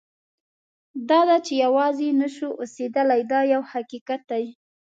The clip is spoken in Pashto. دا ده چې یوازې نه شو اوسېدلی دا یو حقیقت دی.